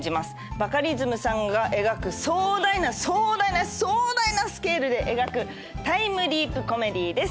バカリズムさんが描く壮大な壮大な壮大なスケールで描くタイムリープコメディーです。